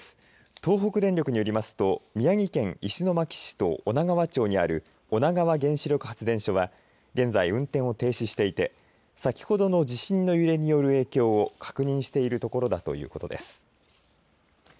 東北電力によりますと、宮城県石巻市と女川町にある女川原子力発電所は現在運転を停止していて先ほどの地震の揺れによる影響を確認しているところだということです。